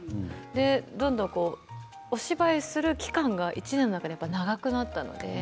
どんどんお芝居する期間が１年の中で長くなったんです。